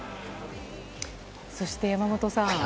そして、山本さん。